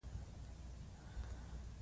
• ځینې خلک د واورې موسم نه خوښوي.